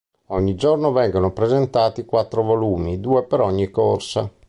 Ogni giorno vengono presentati quattro volumi, due per ogni corsa.